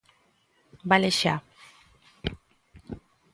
Vale xa.